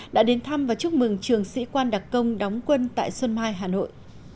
đã đến thăm và chúc mừng trường sĩ quan đặc công đóng quân tại xuân mai hà nội